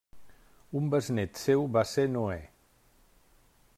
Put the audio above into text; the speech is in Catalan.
Un besnét seu va ser Noè.